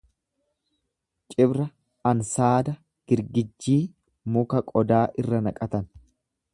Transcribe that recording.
Cibra ansaada, girgijjii mukaa qodaa irra naqatan.